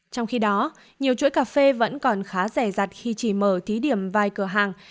trong khi đó nhiều chuỗi cà phê vẫn còn khá rẻ rặt khi chỉ mở thí điểm vài cửa hàng